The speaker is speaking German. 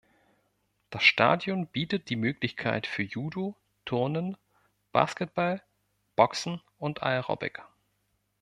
Das Stadion bietet die Möglichkeit für Judo, Turnen, Basketball, Boxen und Aerobic.